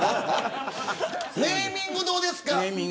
ネーミングどうですか。